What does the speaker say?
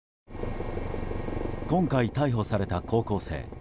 今回逮捕された高校生。